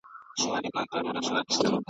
پرېږده چي خلګ مي ږغېږي په څهره باندي